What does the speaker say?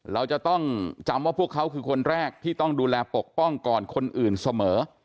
เราจะต้องจำว่าพวกเขาคือคนแรกที่ต้องดูแลปกป้องก่อนคนอื่นเสมอ